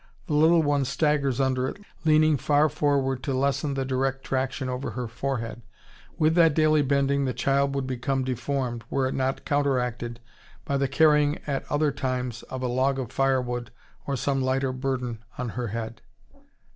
The little one staggers under it, leaning far forward to lessen the direct traction over her forehead. With that daily bending the child would become deformed, were it not counteracted by the carrying at other times of a log of firewood or some lighter burden on her head."